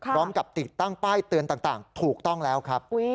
พร้อมกับติดตั้งป้ายเตือนต่างถูกต้องแล้วครับ